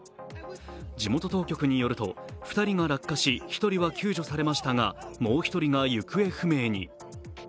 地元当局によると２人が落下し、１人は救助されましたがもう１人が行方不明に。